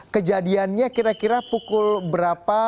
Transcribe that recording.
kejadiannya kira kira pukul berapa